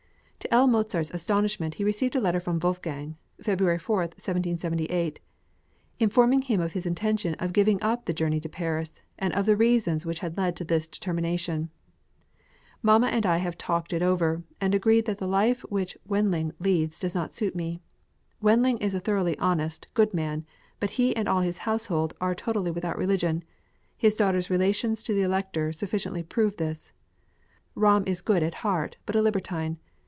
To L. Mozart's astonishment he received a letter from Wolfgang (February 4, 1778), informing him of his intention of giving up the journey to Paris, and of the reasons which had led to this determination: Mamma and I have talked it over, and agreed that the life which Wendling leads does not suit us. Wendling is a thoroughly honest, good man, but he and all his household are totally without religion; his daughter's relations to the Elector sufficiently prove this. Ramm is good at heart, but a libertine.